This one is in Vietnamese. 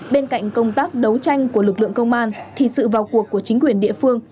bên cạnh công tác đấu tranh của lực lượng công an thì sự vào cuộc của chính quyền địa phương